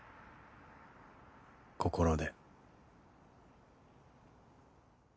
心で。